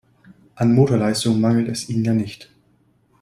An Motorleistung mangelt es ihnen ja nicht.